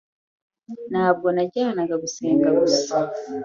nabyo najyanaga gusenga gusa